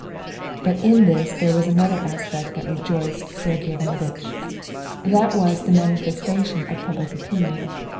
But in this there was another aspect that rejoiced Sergey Ivanovitch. That was the manifestation of public opinion.